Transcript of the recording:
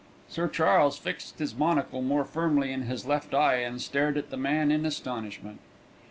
'" Sir Charles fixed his monocle more firmly in his left eye, and stared at the man in astonishment.